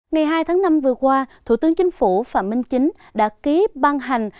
ngày hai tháng năm vừa qua thủ tướng chính phủ phạm minh chính đã ký ban hành